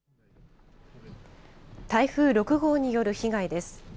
台風６号による被害です。